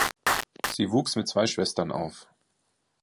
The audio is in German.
Sie wuchs mit zwei Schwestern auf.